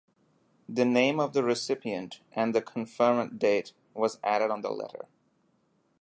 The name of the recipient and the conferment date was added on the letter.